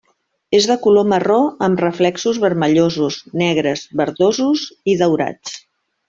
És de color marró amb reflexos vermellosos, negres, verdosos i daurats.